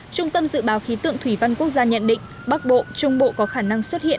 trung tâm dự báo khí tượng thủy văn quốc gia nhận định bắc bộ trung bộ có khả năng xuất hiện